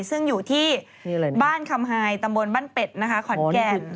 ซึ่งอยู่ที่บ้านคำหายตำบลบ้านเป็ดนะคะขอนแก่น